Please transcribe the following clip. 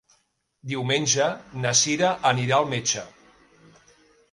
Diumenge na Sira anirà al metge.